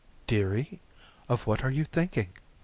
"Dearie, of what are you thinking?"